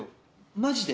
マジで？